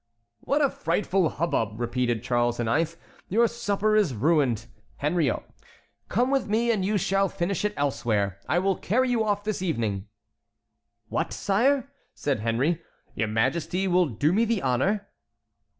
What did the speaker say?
"What a frightful hubbub!" repeated Charles IX. "Your supper is ruined, Henriot; come with me and you shall finish it elsewhere; I will carry you off this evening." "What, sire!" said Henry, "your Majesty will do me the honor?"